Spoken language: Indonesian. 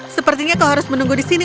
sepertinya kau harus menunggu di sini